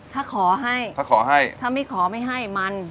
ถ้าขอให้ถ้าไม่ขอไม่ให้มัน